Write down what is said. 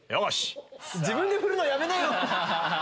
自分でふるのやめなよ。